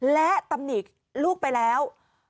และตำหนิลูกไปแล้ว